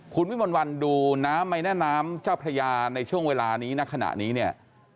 คุณวิบวันดูน้ำไม่แน่น้ำเจ้าพญาในช่วงเวลานี้ณขณะนี้